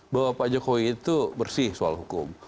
bahwa pak jokowi itu bersih soal hukum